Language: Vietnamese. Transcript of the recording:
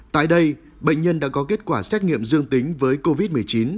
tại đây bệnh nhân đã có kết quả xét nghiệm dương tính với covid một mươi chín